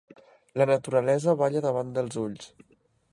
La naturalesa balla davant dels ulls